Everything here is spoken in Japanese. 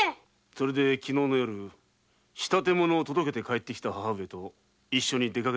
そして昨日の夜仕立物を届けて帰った母上と一緒に出かけた。